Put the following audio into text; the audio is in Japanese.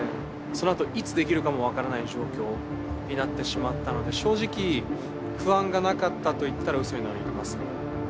そのあといつできるかも分からない状況になってしまったので正直不安がなかったと言ったらうそになりますね。